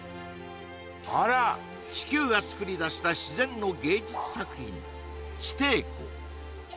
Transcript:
地球がつくりだした自然の芸術作品地底湖